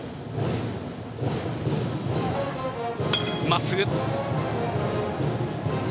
まっすぐ！